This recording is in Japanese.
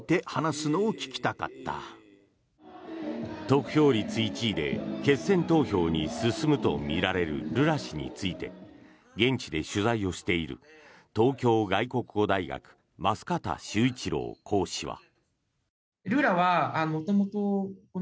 得票率１位で決選投票に進むとみられるルラ氏について現地で取材をしている東京外国語大学舛方周一郎講師は。